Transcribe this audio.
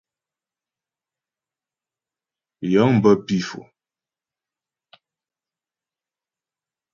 Yəŋ bə pǐ Fò.